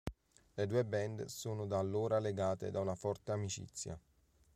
Le due band sono da allora legate da una forte amicizia.